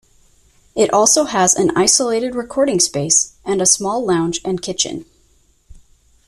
It also has an isolated recording space and a small lounge and kitchen.